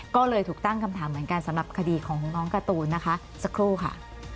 ก็เลยถูกตั้งคำถามเหมือนกันสำหรับคดีของน้องการ์ตูนนะคะสักครู่ค่ะ